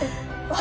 私？